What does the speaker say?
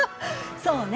そうね！